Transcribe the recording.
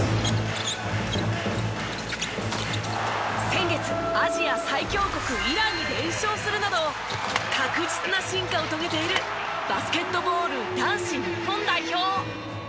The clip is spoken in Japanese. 先月アジア最強国イランに連勝するなど確実な進化を遂げているバスケットボール男子日本代表。